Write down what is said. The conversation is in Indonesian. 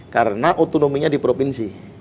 karena otonominya di provinsi